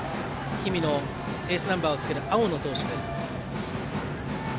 氷見のエースナンバーをつける青野投手です。